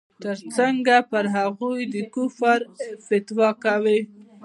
ته څنگه پر هغوى د کفر فتوا کوې.